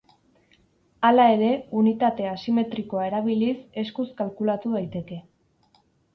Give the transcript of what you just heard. Hala ere, unitate asimetrikoa erabiliz eskuz kalkulatu daiteke.